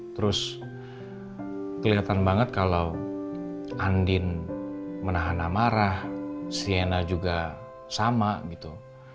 terus kelihatan banget kalau andin menahan amarah sienna juga sama gitu